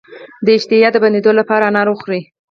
د اشتها د بندیدو لپاره انار وخورئ